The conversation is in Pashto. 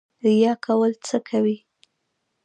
ریا کول څه کوي؟